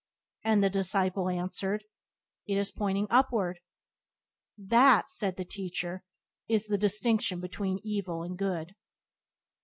And the disciple answered: "It is pointing upward." "That," said the Teacher, "is the distinction between evil and good."